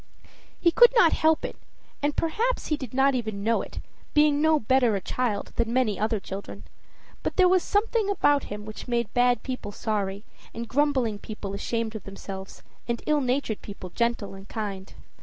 He could not help it, and perhaps he did not even know it, being no better a child than many other children, but there was something about him which made bad people sorry, and grumbling people ashamed of themselves, and ill natured people gentle and kind.